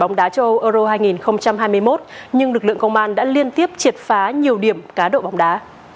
đá châu âu euro hai nghìn hai mươi một nhưng lực lượng công an đã liên tiếp triệt phá nhiều điểm cá độ bóng đá